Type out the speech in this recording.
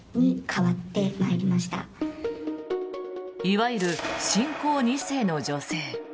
いわゆる信仰２世の女性。